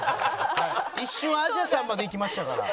一瞬アジャさんまでいきましたから。